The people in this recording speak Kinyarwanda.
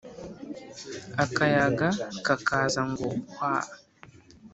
akayaga kakaza ngo hwa